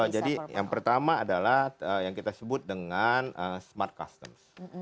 jadi yang pertama adalah yang kita sebut dengan smart customs